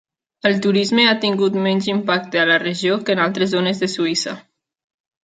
El turisme ha tingut menys impacte a la regió que en altres zones de Suïssa.